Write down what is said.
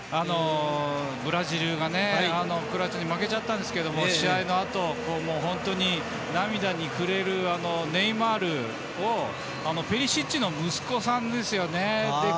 ブラジルがクロアチアに負けちゃったんですが試合のあと、本当に涙に暮れるネイマールにペリシッチの息子さんですね。